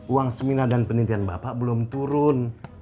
uang seminar dan penelitian bapak belum turun